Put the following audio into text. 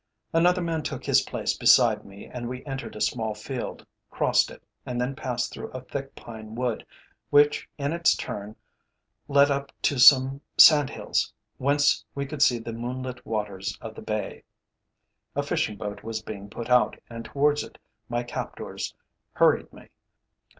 "Another man took his place beside me and we entered a small field, crossed it, and then passed through a thick pine wood, which in its turn led up to some sandhills, whence we could see the moonlit waters of the Bay. A fishing boat was being put out, and towards it my captors hurried me.